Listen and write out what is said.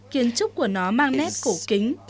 kiến trúc của nó mang nét cổ kính